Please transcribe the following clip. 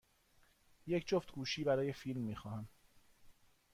یک جفت گوشی برای فیلم می خواهم.